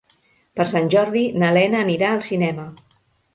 Per Sant Jordi na Lena anirà al cinema.